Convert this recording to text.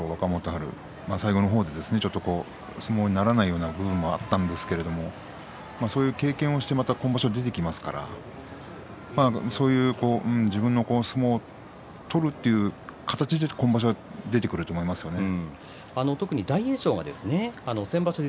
春最後の方でちょっと相撲にならないような部分もあったんですけれどもそういう経験をしてまた今場所出てきますから自分の相撲を取るという形が今場所、出てくると思いますね。